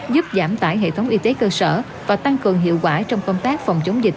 giúp giảm tải hệ thống y tế cơ sở và tăng cường hiệu quả trong công tác phòng chống dịch